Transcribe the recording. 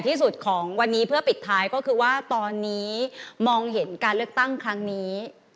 ที่สุดของวันนี้เพื่อปิดท้ายก็คือว่าตอนนี้มองเห็นการเลือกตั้งครั้งนี้